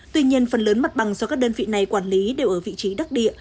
tuy nhiên phần lớn mặt bằng do các đơn vị này quản lý đều ở vị trí đắc địa